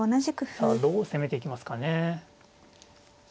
さあどう攻めていきますかね。